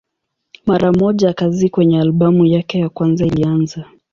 Mara moja kazi kwenye albamu yake ya kwanza ilianza.